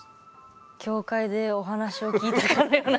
教会でお話を聞いたかのような気持ち。